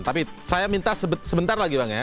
tapi saya minta sebentar lagi bang ya